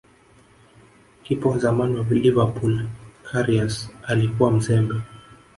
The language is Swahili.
kipa wa zamani wa Liverpool Karius alikuwa mzembe